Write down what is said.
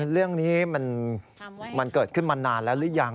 เรื่องนี้มันเกิดขึ้นมานานแล้วหรือยัง